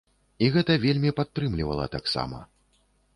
І гэта вельмі падтрымлівала таксама.